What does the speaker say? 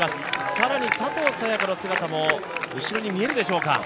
更に佐藤早也伽の姿も、後ろに見えるでしょうか。